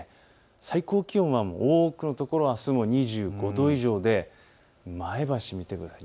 最高気温は多くの所、あすも２５度以上で前橋を見てください。